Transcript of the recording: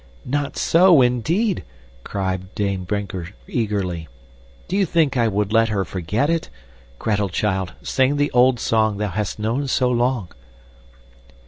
"Not so, indeed," cried Dame Brinker eagerly. "Do you think I would let her forget it? Gretel, child, sing the old song thou hast known so long!"